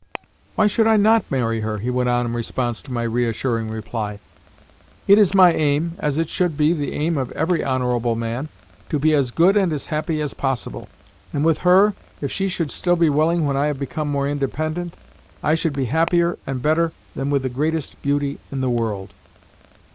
"Why should I NOT marry her?" he went on in response to my reassuring reply. "It is my aim as it should be the aim of every honourable man to be as good and as happy as possible; and with her, if she should still be willing when I have become more independent, I should be happier and better than with the greatest beauty in the world."